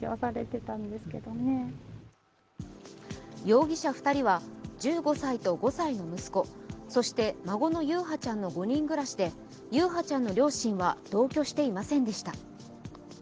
容疑者２人は１５歳と５歳の息子、そして孫の優陽ちゃんの５人暮らしで優陽ちゃんの両親は同居していませんでした。